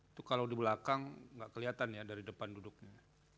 itu kalau di belakang nggak kelihatan ya dari depan duduknya